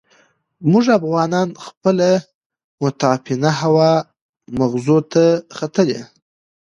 موږ افغانان خپل متعفنه هوا مغزو ته ختلې.